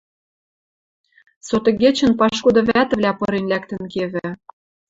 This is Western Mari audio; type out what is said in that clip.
Сотыгечӹн пашкуды вӓтӹвлӓ пырен-лӓктӹн кевӹ.